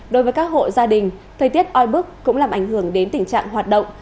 đối với các hộ gia đình thời tiết oi bức cũng làm ảnh hưởng đến tình trạng hoạt động